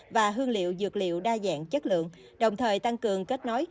và hương liệu dược liệu đa dạng chất lượng đồng thời tăng cường kết nối